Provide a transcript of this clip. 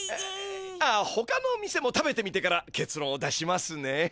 ああほかの店も食べてみてからけつろんを出しますね。